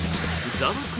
「ザワつく！